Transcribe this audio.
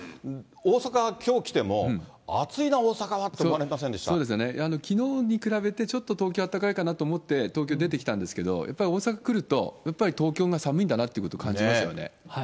大阪はきょう来ても、暑いな、そうですよね、きのうに比べて、ちょっと東京はあったかいかなと思って、東京出てきたんですけど、やっぱり大阪来ると、やっぱり東京が寒いんだなということを感じますよね。